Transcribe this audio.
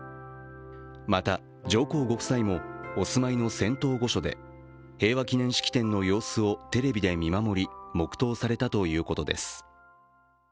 また上皇ご夫妻もお住まいの仙洞御所で平和記念式典の様子をテレビで見守り、黙とうされたということです。